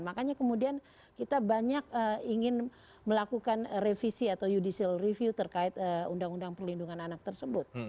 makanya kemudian kita banyak ingin melakukan revisi atau judicial review terkait undang undang perlindungan anak tersebut